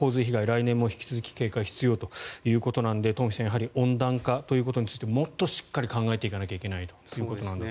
来年も引き続き警戒が必要ということなのでトンフィさん温暖化ということについてもっとしっかり考えていかないといけないということです。